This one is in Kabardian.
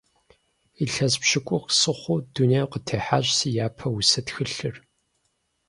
Илъэс пщыкӏух сыхъуу дунейм къытехьащ си япэ усэ тхылъыр.